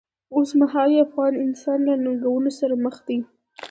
اوسمهالی افغان انسان له ننګونو سره مخ دی.